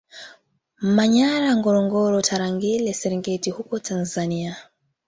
Manyara Ngorongoro Tarangire na Serengeti huko Tanzania